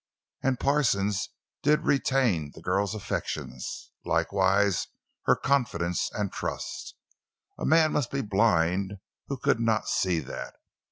And Parsons did retain the girl's affections—likewise her confidence and trust. A man must be blind who could not see that.